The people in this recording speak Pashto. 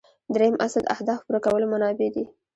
دریم اصل د اهدافو پوره کولو منابع دي.